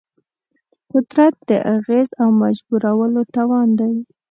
قدرت د اغېز او مجبورولو توان دی.